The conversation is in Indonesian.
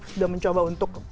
sudah mencoba untuk